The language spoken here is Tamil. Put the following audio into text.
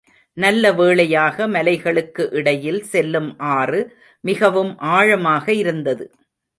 நல்ல வேளையாக மலைகளுக்கு இடையில் செல்லும் ஆறு மிகவும் ஆழமாக இருந்தது.